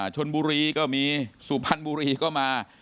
ชนบุรีก็มีสุพรรณบุรีก็มา